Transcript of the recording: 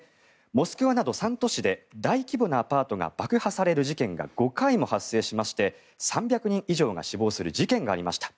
モスクワなど３都市で大規模なアパートが爆破される事件が５回も発生しまして３００人以上が死亡する事件がありました。